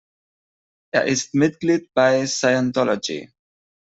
Er ist Mitglied bei Scientology.